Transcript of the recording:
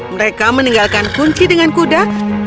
mereka meninggalkan kunci dengan kuda